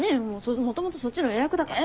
もともとそっちの予約だからさ。